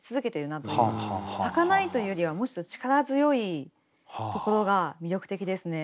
はかないというよりはむしろ力強いところが魅力的ですね。